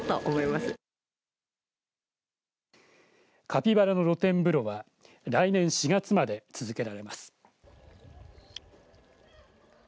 カピバラの露天風呂は来年４月まで続けられます。